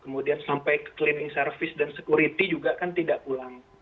kemudian sampai cleaning service dan security juga kan tidak pulang